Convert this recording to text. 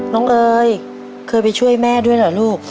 เอ๋ยเคยไปช่วยแม่ด้วยเหรอลูก